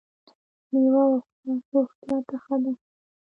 مېوه وخوره ! روغتیا ته ښه ده .